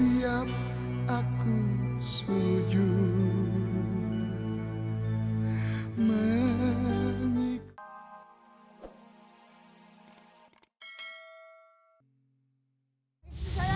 ini pak ya saya jelaskan ya